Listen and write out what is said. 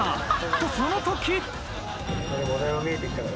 とそのとき。